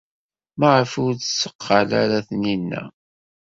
Maɣef ur d-tetteqqal ara Taninna?